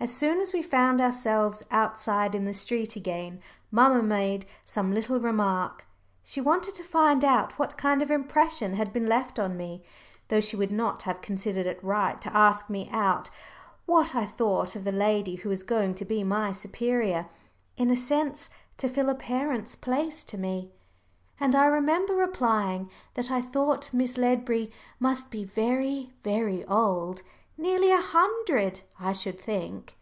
As soon as we found ourselves outside in the street again, mamma made some little remark. She wanted to find out what kind of impression had been left on me, though she would not have considered it right to ask me straight out what I thought of the lady who was going to be my superior in a sense to fill a parent's place to me. And I remember replying that I thought Miss Ledbury must be very, very old nearly a hundred, I should think.